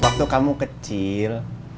waktu kamu kecil